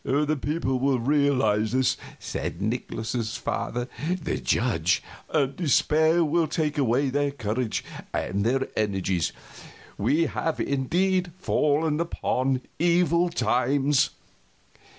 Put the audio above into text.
"The people will realize this," said Nikolaus's father, the judge, "and despair will take away their courage and their energies. We have indeed fallen upon evil times."